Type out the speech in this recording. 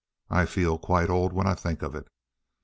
I feel quite old when I think of it.